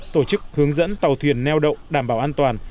tổ chức hướng dẫn tàu thuyền neo đậu đảm bảo an toàn